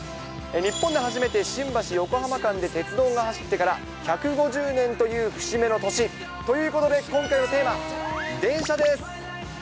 日本で初めて新橋・横浜間で鉄道が走ってから、１５０年という節目の年。ということで今回のテーマ、電車です。